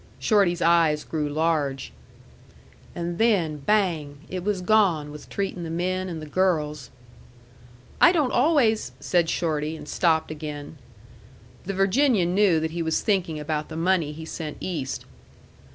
Shorty's eyes grew large. "And then, bang! it was gone with treatin' the men and the girls." "I don't always " said Shorty, and stopped again. The Virginian knew that he was thinking about the money he sent East.